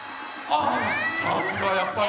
ああっさすがやっぱり。